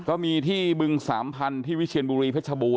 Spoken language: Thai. ก็มีที่บึงสามพันธุ์ที่วิเชียนบุรีเพชรบูร